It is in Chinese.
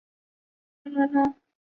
短萼素馨是木犀科素馨属的植物。